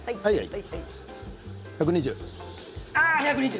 １２０。